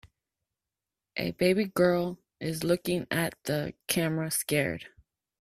A baby girl is looking at the camera scared.